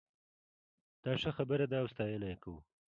دا ښه خبره ده او ستاينه یې کوو